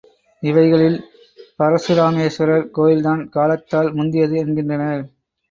இவைகளில் பரசுராமேஸ்வரர் கோயில்தான் காலத்தால் முந்தியது என்கின்றனர்.